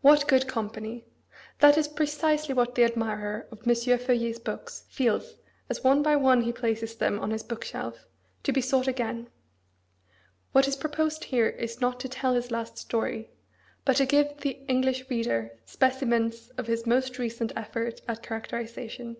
What good company! That is precisely what the admirer of M. Feuillet's books feels as one by one he places them on his book shelf, to be sought again. What is proposed here is not to tell his last story, but to give the English reader specimens of his most recent effort at characterisation.